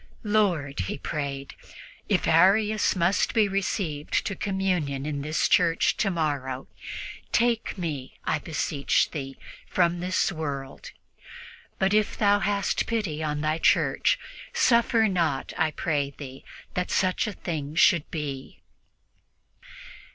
"Lord," he prayed, "if Arius must be received to communion in this church tomorrow, take me, I beseech Thee, from this world. But if Thou hast pity on Thy Church, suffer not, I pray Thee, that such a thing should be."